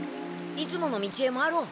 いつもの道へ回ろう。